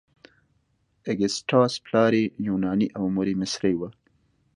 اګسټاس پلار یې یوناني او مور یې مصري وه.